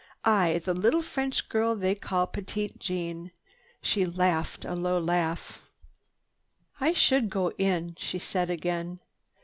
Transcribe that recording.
I—the little French girl they call Petite Jeanne!" She laughed a low laugh. "I should go in," she said again.